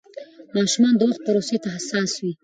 ماشومان د وخت پروسې ته حساس وي.